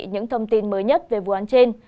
những thông tin mới nhất về vụ án trên